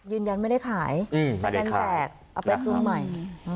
ยืนยันไม่ได้ขายเป็นการแจกเอาไปปรุงใหม่